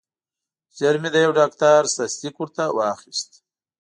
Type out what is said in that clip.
ژر مې د یو ډاکټر تصدیق ورته واخیست.